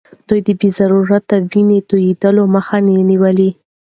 ده د بې ضرورته وينې تويولو مخه نيوله.